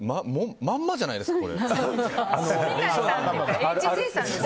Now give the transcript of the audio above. まんまじゃないですか。